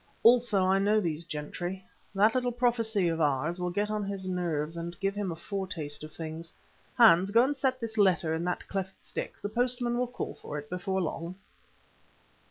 Also I know these gentry. That little prophecy of ours will get upon his nerves and give him a foretaste of things. Hans, go and set this letter in that cleft stick. The postman will call for it before long."